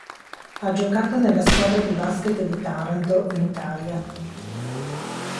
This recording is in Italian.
Ha giocato nella squadra di basket di Taranto, in Italia.